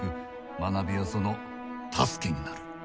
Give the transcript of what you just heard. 学びはその助けになる。